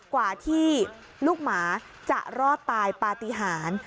กว่าที่ลูกหมาจะรอดตายปฏิหาร